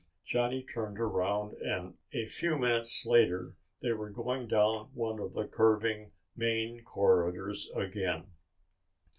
Johnny turned around and a few minutes later they were going down one of the curving main corridors again.